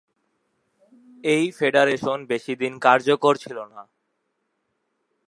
এই ফেডারেশন বেশি দিন কার্যকর ছিল না।